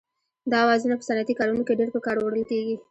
دا اوزارونه په صنعتي کارونو کې ډېر په کار وړل کېږي.